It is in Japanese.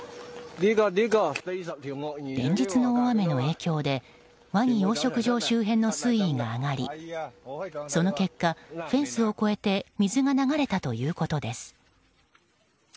連日の大雨の影響でワニ養殖場周辺の水位が上がりその結果、フェンスを越えて水が流れたということです。